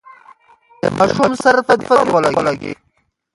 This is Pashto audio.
د ماشوم سر په دېوال ولگېد.